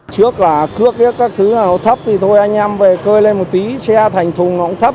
trước là cước hết các thứ thấp thì thôi anh em về cơi lên một tí xe thành thùng nó cũng thấp